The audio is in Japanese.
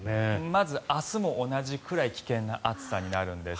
まず、明日も同じくらい危険な暑さになるんです。